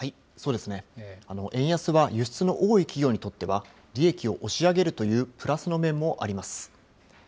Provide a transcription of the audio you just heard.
円安は輸出の多い企業にとっては、利益を押し上げるというプラスの面もあります。